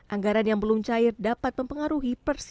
anggaran yang belum cair dapat mempengaruhi